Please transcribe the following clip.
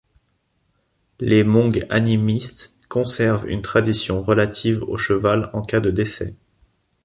Les Hmong animistes conservent une tradition relative au cheval en cas de décès.